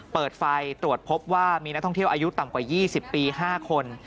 เปิดไฟตรวจพบว่ามีนักท่องเที่ยวอายุต่ำกว่า๒๐ปี๕คน